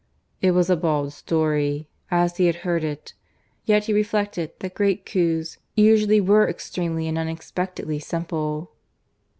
(It was a bald story, as he had heard it; yet he reflected that great coups usually were extremely and unexpectedly simple.)